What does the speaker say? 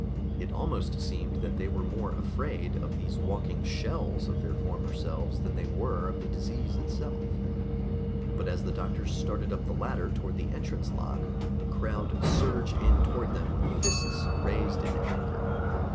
It almost seemed that they were more afraid of these walking shells of their former selves than they were of the disease itself. But as the doctors started up the ladder toward the entrance lock the crowd surged in toward them with fists raised in anger.